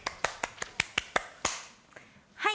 はい！